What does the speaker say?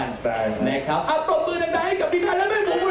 อ่ะตกตื่นให้กับพี่นายและแม่หมู